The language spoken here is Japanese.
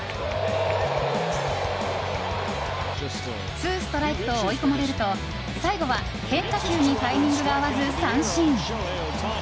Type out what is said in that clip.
ツーストライクと追い込まれると最後は変化球にタイミングが合わず三振。